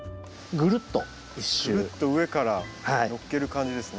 ぐるっと上から載っける感じですね。